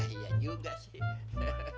iya juga sih